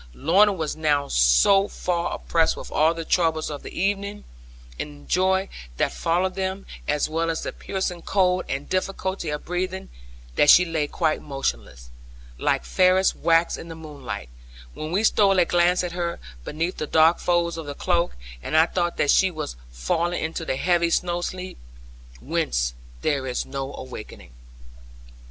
Lorna was now so far oppressed with all the troubles of the evening, and the joy that followed them, as well as by the piercing cold and difficulty of breathing, that she lay quite motionless, like fairest wax in the moonlight when we stole a glance at her, beneath the dark folds of the cloak; and I thought that she was falling into the heavy snow sleep, whence there is no awaking.